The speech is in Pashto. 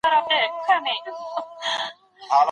د زاني سزا په شریعت کي معلومه ده.